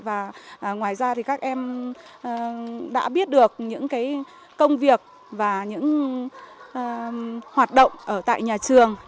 và ngoài ra thì các em đã biết được những công việc và những hoạt động ở tại nhà trường